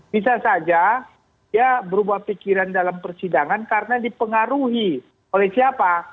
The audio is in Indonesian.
bisa saja dia berubah pikiran dalam persidangan karena dipengaruhi oleh siapa